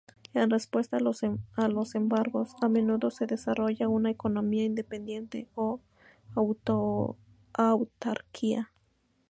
En respuesta a los embargos, a menudo se desarrolla una economía independiente o autarquía.